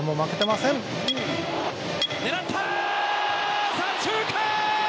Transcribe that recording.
狙った左中間！